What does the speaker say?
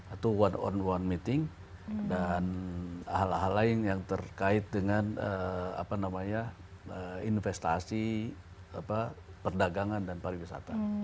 atau one on one meeting dan hal hal lain yang terkait dengan investasi perdagangan dan pariwisata